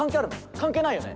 関係ないよね？